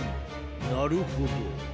なるほど。